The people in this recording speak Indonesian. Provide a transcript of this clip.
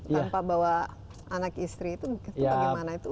tanpa bawa anak istri itu bagaimana itu